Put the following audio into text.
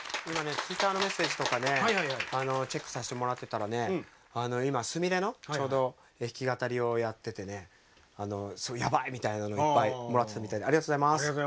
ツイッターのメッセージとかチェックさせてもらってたら「スミレ」のちょうど弾き語りをやっててやばい！みたいなのをいっぱいもらってたみたいでありがとうございます。